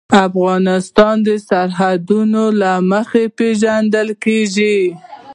افغانستان د سرحدونه له مخې پېژندل کېږي.